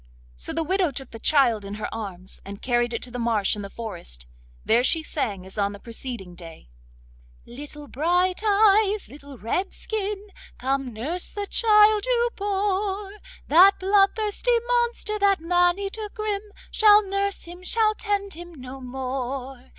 So the widow took the child in her arms, and carried it to the marsh in the forest. There she sang as on the preceding day— 'Little Bright eyes, little Redskin, Come nurse the child you bore! That bloodthirsty monster, That man eater grim, Shall nurse him, shall tend him no more.